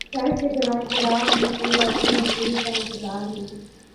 سڑک کے دونوں اطراف مزدور اپنی مزدوری کے انتظار میں